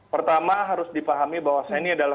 pertama harus dipahami bahwa saya ini adalah